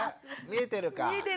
見えてるね。